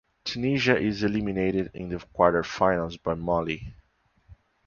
Tunisia is eliminated in the quarterfinals by Mali.